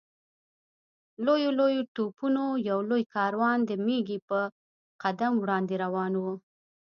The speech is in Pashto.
لویو لویو توپونو یو لوی کاروان د مېږي په قدم وړاندې روان و.